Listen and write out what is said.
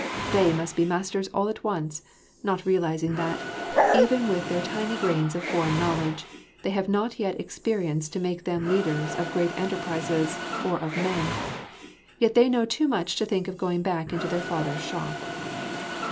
They must be masters all at once, not realising that, even with their tiny grains of foreign knowledge, they have not yet experience to make them leaders of great enterprises or of men; yet they know too much to think of going back into their father's shop.